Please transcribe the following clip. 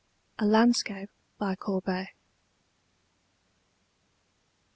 A LANDSCAPE BY COURBET.